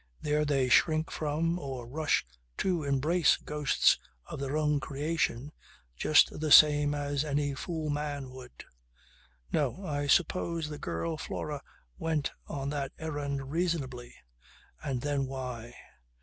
There they shrink from or rush to embrace ghosts of their own creation just the same as any fool man would. No. I suppose the girl Flora went on that errand reasonably. And then, why!